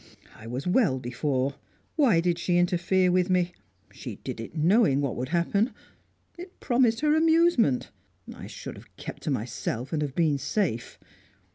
"I was well before; why did she interfere with me? She did it knowing what would happen; it promised her amusement. I should have kept to myself, and have been safe.